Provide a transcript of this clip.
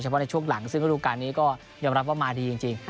เฉพาะในช่วงหลังซึ่งรูปการณ์นี้ก็เรียบรับว่ามาดีจริง